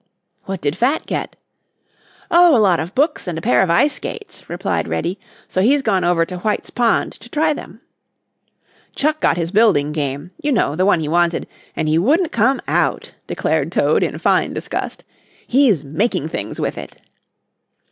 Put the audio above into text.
"What did Fat get?" "Oh, a lot of books and a pair of ice skates," replied Reddy, "so he's gone over to White's pond to try them." "Chuck got his building game; you know, the one he wanted, and he wouldn't come out," declared Toad in fine disgust. "He's making things with it."